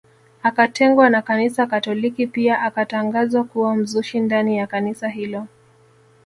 Akatengwa na kanisa katoliki pia akatangazwa kuwa mzushi ndani ya kanisa hilo